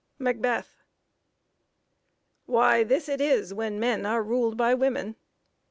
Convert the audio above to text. MACBETH. Why, this it is when men are ruled by women.